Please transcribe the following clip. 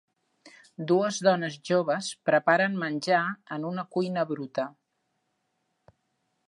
Dues dones joves preparen menjar en una cuina bruta.